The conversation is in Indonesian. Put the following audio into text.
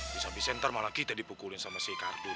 bisa bisa ntar malah kita dipukulin sama si kardun